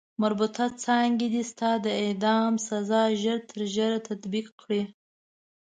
مربوطه څانګه دې ستا د اعدام سزا ژر تر ژره تطبیق کړي.